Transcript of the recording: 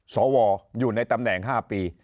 สวอยู่ในตำแหน่ง๕ปี